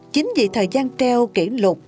chính vì thời gian treo kỷ lục